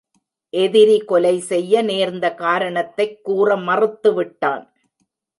எதிரி கொலை செய்ய நேர்ந்த காரணத்தைக் கூற மறுத்துவிட்டான்.